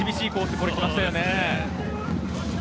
これ、きましたね。